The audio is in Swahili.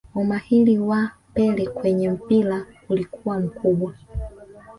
Umahiri waa pele kwenye mpira ulikuwa mkubwa